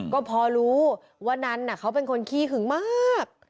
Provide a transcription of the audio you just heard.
ก็พอรู้ว่านันเขาเป็นคนขี้หึงมาก